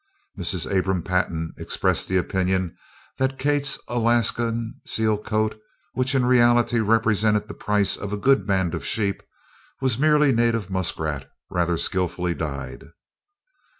Mrs. Abram Pantin expressed the opinion that Kate's Alaskan seal coat which, in reality, represented the price of a goodly band of sheep, was merely native muskrat rather skilfully dyed.